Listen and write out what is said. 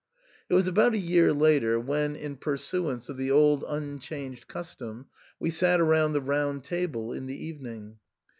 It was about a year later when, in pursuance of the old unchanged custom, we sat around the round table in the evening.